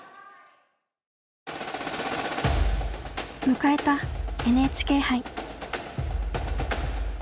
迎えたＮＨＫ杯。